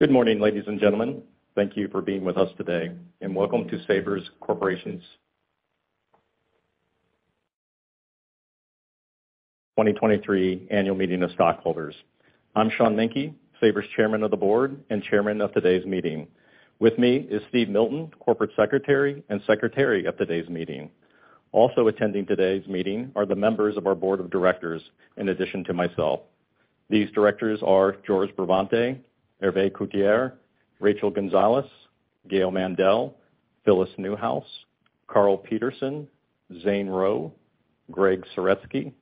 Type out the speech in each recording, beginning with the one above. Good morning, ladies and gentlemen. Thank you for being with us today. Welcome to Sabre Corporation's 2023 Annual Meeting of Stockholders. I'm Sean Menke, Sabre's Chairman of the Board and Chairman of today's meeting. With me is Steve Milton, Corporate Secretary and Secretary of today's meeting. Also attending today's meeting are the members of our board of directors in addition to myself. These directors are George Bravante, Hervé Couturier, Rachel Gonzalez, Gail Mandel, Phyllis Newhouse, Karl Peterson, Zane Rowe, Gregg Saretsky,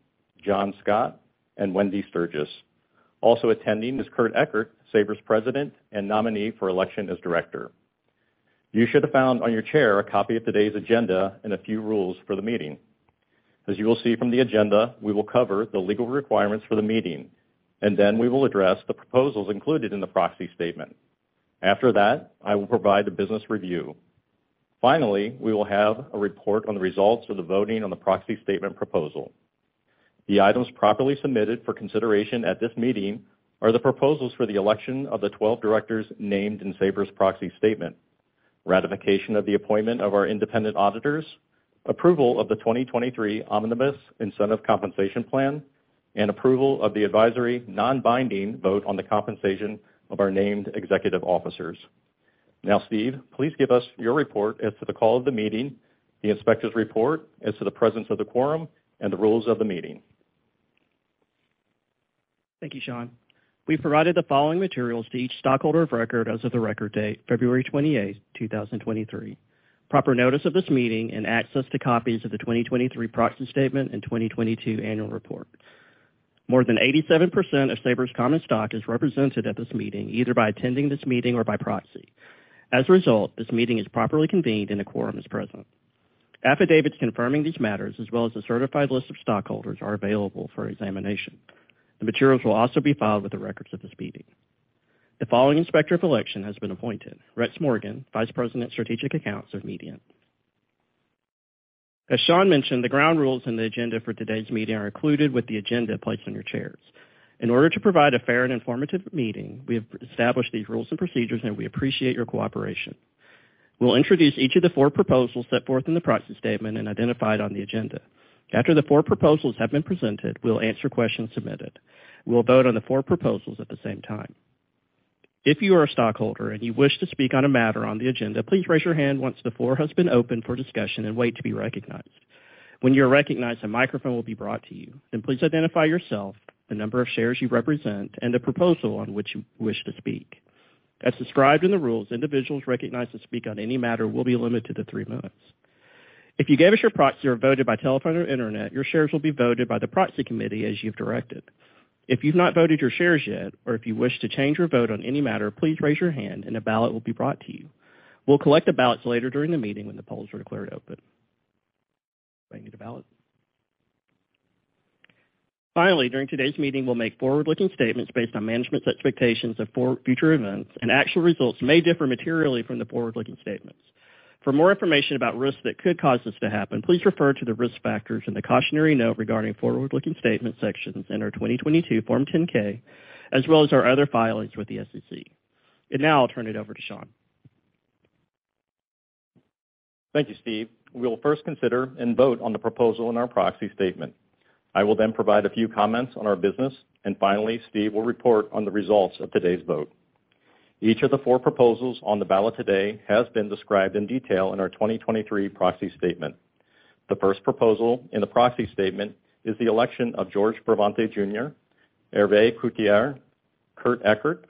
John Scott, and Wendi Sturgis. Also attending is Kurt Ekert, Sabre's president and nominee for election as director. You should have found on your chair a copy of today's agenda and a few rules for the meeting. As you will see from the agenda, we will cover the legal requirements for the meeting, and then we will address the proposals included in the proxy statement. After that, I will provide the business review. Finally, we will have a report on the results of the voting on the proxy statement proposal. The items properly submitted for consideration at this meeting are the proposals for the election of the 12 directors named in Sabre's proxy statement, ratification of the appointment of our independent auditors, approval of the 2023 Omnibus Incentive Compensation Plan, and approval of the advisory non-binding vote on the compensation of our named executive officers. Now, Steve, please give us your report as to the call of the meeting, the inspector's report, as to the presence of the quorum, and the rules of the meeting. Thank you, Sean. We've provided the following materials to each stockholder of record as of the record date, February 28, 2023. Proper notice of this meeting and access to copies of the 2023 proxy statement and 2022 annual report. More than 87% of Sabre's common stock is represented at this meeting, either by attending this meeting or by proxy. As a result, this meeting is properly convened and a quorum is present. Affidavits confirming these matters, as well as a certified list of stockholders, are available for examination. The materials will also be filed with the records of this meeting. The following Inspector of Election has been appointed, Rex Morgan, Vice President of Strategic Accounts of Mediant. As Sean mentioned, the ground rules and the agenda for today's meeting are included with the agenda placed on your chairs. In order to provide a fair and informative meeting, we have established these rules and procedures. We appreciate your cooperation. We'll introduce each of the four proposals set forth in the proxy statement and identified on the agenda. After the four proposals have been presented, we'll answer questions submitted. We'll vote on the four proposals at the same time. If you are a stockholder and you wish to speak on a matter on the agenda, please raise your hand once the floor has been opened for discussion and wait to be recognized. When you are recognized, a microphone will be brought to you. Please identify yourself, the number of shares you represent, and the proposal on which you wish to speak. As described in the rules, individuals recognized to speak on any matter will be limited to three minutes. If you gave us your proxy or voted by telephone or internet, your shares will be voted by the proxy committee as you've directed. If you've not voted your shares yet, or if you wish to change your vote on any matter, please raise your hand and a ballot will be brought to you. We'll collect the ballots later during the meeting when the polls are declared open. Bring me the ballot. Finally, during today's meeting, we'll make forward-looking statements based on management's expectations of future events, and actual results may differ materially from the forward-looking statements. For more information about risks that could cause this to happen, please refer to the risk factors in the cautionary note regarding forward-looking statements sections in our 2022 Form 10-K, as well as our other filings with the SEC. Now I'll turn it over to Sean. Thank you, Steve. We'll first consider and vote on the proposal in our proxy statement. I will then provide a few comments on our business. Finally, Steve will report on the results of today's vote. Each of the four proposals on the ballot today has been described in detail in our 2023 proxy statement. The first proposal in the proxy statement is the election of George Bravante, Jr., Hervé Couturier, Kurt Ekert,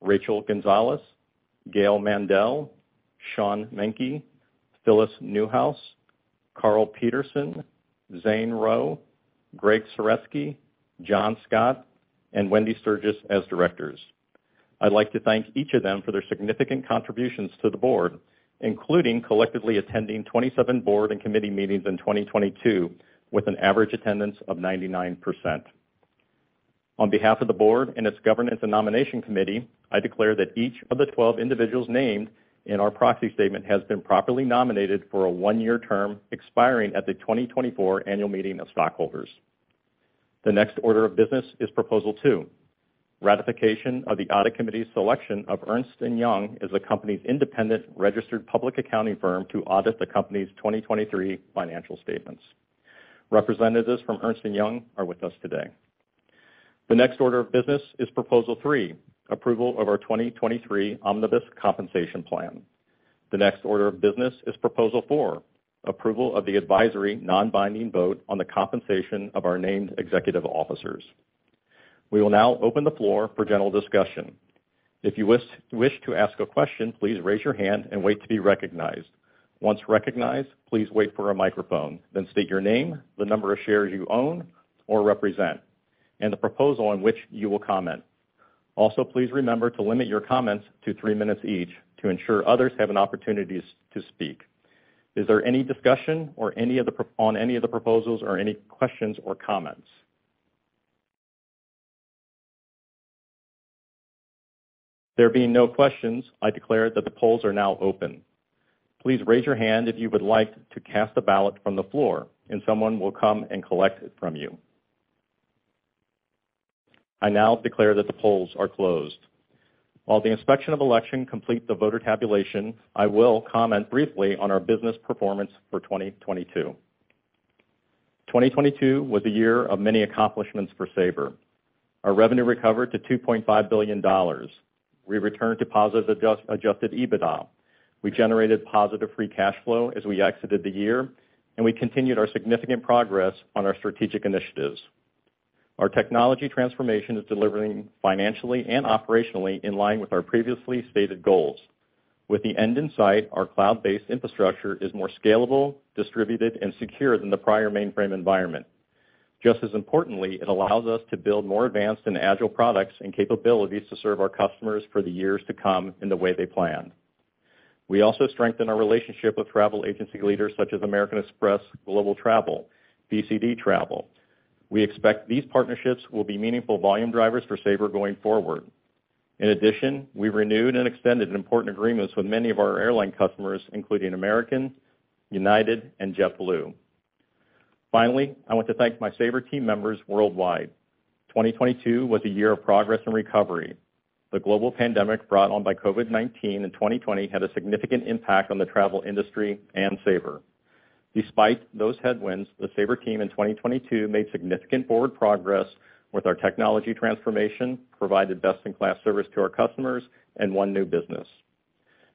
Rachel Gonzalez, Gail Mandel, Sean Menke, Phyllis Newhouse, Karl Peterson, Zane Rowe, Gregg Saretsky, John Scott, and Wendi Sturgis as directors. I'd like to thank each of them for their significant contributions to the board, including collectively attending 27 board and committee meetings in 2022, with an average attendance of 99%. On behalf of the board and its Governance and Nomination committee, I declare that each of the 12 individuals named in our proxy statement has been properly nominated for a one-year term expiring at the 2024 annual meeting of stockholders. The next order of business is Proposal 2, ratification of the audit committee's selection of Ernst & Young as the company's independent registered public accounting firm to audit the company's 2023 financial statements. Representatives from Ernst & Young are with us today. The next order of business is Proposal 3, approval of our 2023 Omnibus Compensation Plan. The next order of business is Proposal 4, approval of the advisory non-binding vote on the compensation of our named executive officers. We will now open the floor for general discussion. If you wish to ask a question, please raise your hand and wait to be recognized. Once recognized, please wait for a microphone, then state your name, the number of shares you own or represent, and the proposal on which you will comment. Please remember to limit your comments to three minutes each to ensure others have an opportunity to speak. Is there any discussion or on any of the proposals or any questions or comments? There being no questions, I declare that the polls are now open. Please raise your hand if you would like to cast a ballot from the floor, and someone will come and collect it from you. I now declare that the polls are closed. While the inspection of election complete the voter tabulation, I will comment briefly on our business performance for 2022. 2022 was a year of many accomplishments for Sabre. Our revenue recovered to $2.5 billion. We returned to positive adjusted EBITDA. We generated positive free cash flow as we exited the year. We continued our significant progress on our strategic initiatives. Our technology transformation is delivering financially and operationally in line with our previously stated goals. With the end in sight, our cloud-based infrastructure is more scalable, distributed, and secure than the prior mainframe environment. Just as importantly, it allows us to build more advanced and agile products and capabilities to serve our customers for the years to come in the way they plan. We also strengthen our relationship with travel agency leaders such as American Express Global Travel, BCD Travel. We expect these partnerships will be meaningful volume drivers for Sabre going forward. We renewed and extended important agreements with many of our airline customers, including American, United and JetBlue. I want to thank my Sabre team members worldwide. 2022 was a year of progress and recovery. The global pandemic brought on by COVID-19 in 2020 had a significant impact on the travel industry and Sabre. Despite those headwinds, the Sabre team in 2022 made significant forward progress with our technology transformation, provided best-in-class service to our customers and won new business.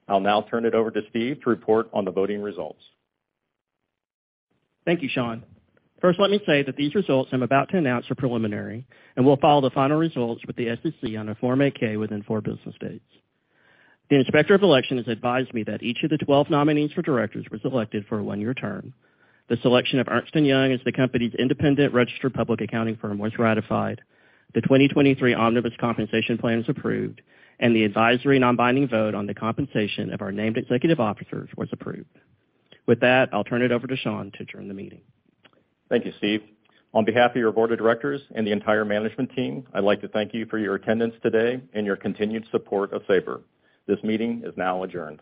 I'll now turn it over to Steve to report on the voting results. Thank you, Sean. First, let me say that these results I'm about to announce are preliminary, and we'll follow the final results with the SEC on a Form 8-K within four business days. The Inspector of Election has advised me that each of the 12 nominees for directors was elected for a one-year term, the selection of Ernst & Young as the company's independent registered public accounting firm was ratified, the 2023 Omnibus Compensation Plan was approved, and the advisory non-binding vote on the compensation of our named executive officers was approved. With that, I'll turn it over to Sean to adjourn the meeting. Thank you, Steve. On behalf of your board of directors and the entire management team, I'd like to thank you for your attendance today and your continued support of Sabre. This meeting is now adjourned.